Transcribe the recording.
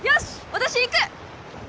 私行く！